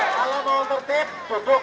kalau mau tertip duduk